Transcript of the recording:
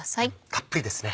たっぷりですね。